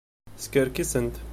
Skerkisent.